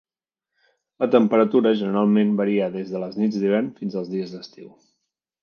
La temperatura generalment varia des de les nits d'hivern fins als dies d'estiu.